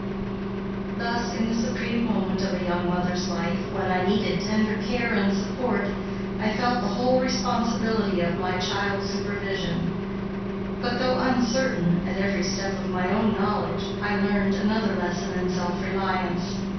Thus, in the supreme moment of a young mother's life, when I needed tender care and support, I felt the whole responsibility of my child's supervision; but though uncertain at every step of my own knowledge, I learned another lesson in self reliance.